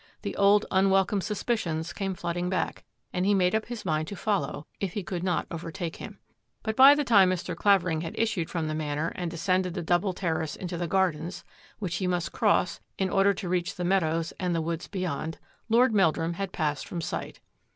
The old, unwelcome suspicions came flooding back, and he made up his mind to follow, if he could not overtake him. But by the time Mr. Clavering had issued from the Manor and descended the double terrace into the gardens, which he must cross in order to reach the meadows and the woods beyond, Lord Meldrum had passed from sight.